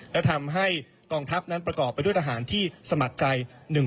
และทำให้กองทัพนั้นประกอบไปด้วยทหารที่สมัครใจ